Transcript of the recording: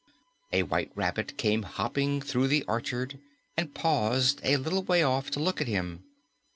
A White Rabbit came hopping through the orchard and paused a little way off to look at him.